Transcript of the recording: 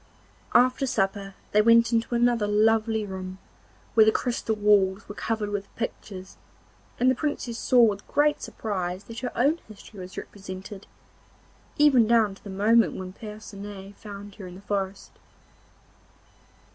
After supper they went into another lovely room, where the crystal walls were covered with pictures, and the Princess saw with great surprise that her own history was represented, even down to the moment when Percinet found her in the forest.